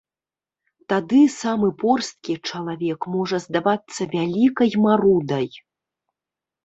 Тады самы порсткі чалавек можа здавацца вялікай марудай.